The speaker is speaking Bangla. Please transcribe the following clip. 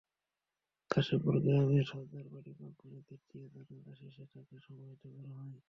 কাশিমপুর গ্রামের সরদারবাড়ি প্রাঙ্গণে দ্বিতীয় জানাজা শেষে তাঁকে সমাহিত করা হয়।